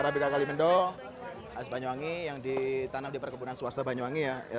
kerabika kalibendo khas banyuwangi yang ditanam di perkebunan swasta banyuwangi ya